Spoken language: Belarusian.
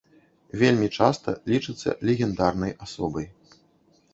Вельмі часта лічыцца легендарнай асобай.